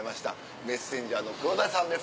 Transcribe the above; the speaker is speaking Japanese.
メッセンジャーの黒田さんです。